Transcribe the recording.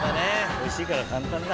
おいしいから簡単だ。